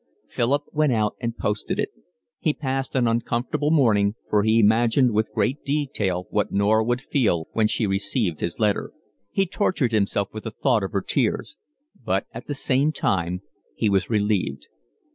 Philip went out and posted it. He passed an uncomfortable morning, for he imagined with great detail what Norah would feel when she received his letter. He tortured himself with the thought of her tears. But at the same time he was relieved.